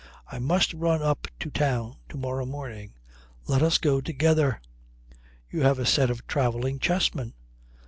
"I must run up to town, to morrow morning. Let us go together. You have a set of travelling chessmen."